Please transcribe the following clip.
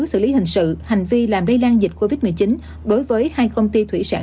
xử lý hình sự hành vi làm lây lan dịch covid một mươi chín đối với hai công ty thủy sản